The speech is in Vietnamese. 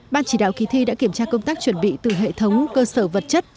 ban chỉ đạo kỳ thi đã kiểm tra công tác chuẩn bị từ hệ thống cơ sở vật chất